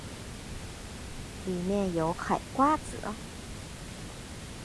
里面有海瓜子